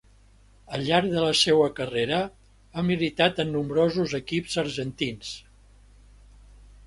Al llarg de la seua carrera ha militat en nombrosos equips argentins.